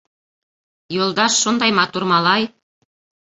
— Юлдаш шундай матур малай...